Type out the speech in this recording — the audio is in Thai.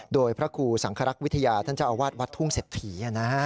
โดยพระกูธรรมคารักษ์วิทยาท่านเจ้าอวาสวัดธุงเสธผี